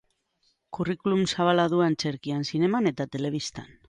Curriculum zabala du antzerkian, zineman eta telebistan.